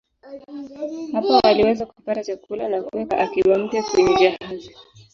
Hapa waliweza kupata chakula na kuweka akiba mpya kwenye jahazi.